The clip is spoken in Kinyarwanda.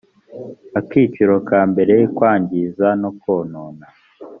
akiciro ka mbere kwangiza no konona